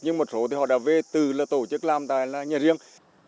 nhưng một số thì họ đã về từ tổ chức làm tài là nhà riêng